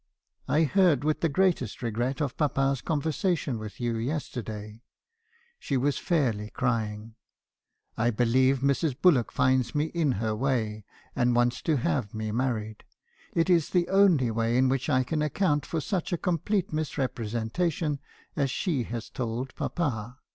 I heard with the greatest regret of papa's conversation with you yesterday.' She was fairly crying. 'I believe Mrs. Bullock finds me in her way, and wants to have me married. It is the only way in which I can account for such a complete misrepresentation as she had told papa.